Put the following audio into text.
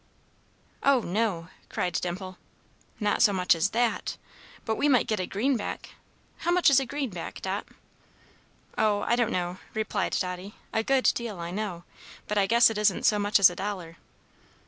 "Oh, no," cried Dimple, "not so much as that! But we might get a greenback. How much is a greenback, Dot?" "Oh, I don't know," replied Dotty. "A good deal, I know, but I guess it isn't so much as a dollar."